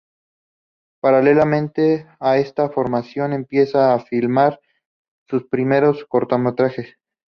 Paralelamente a esta formación, empieza a filmar sus primeros cortometrajes.